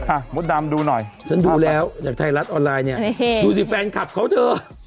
มดดำดูหน่อยฉันดูแล้วจากไทยรัฐออนไลน์เนี่ยดูสิแฟนคลับเขาเถอะ